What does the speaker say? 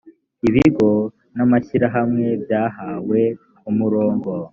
ibigo n amashyirahamwe byahawe umurongo